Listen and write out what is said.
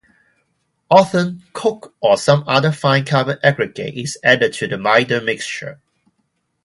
Often, coke or some other fine carbon aggregate is added to the binder mixture.